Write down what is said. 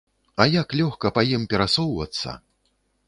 А як лёгка па ім перасоўвацца!